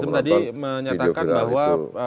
tapi pak rasim tadi menyatakan bahwa